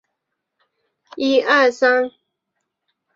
各道观举行早晚课的时间安排不尽相同。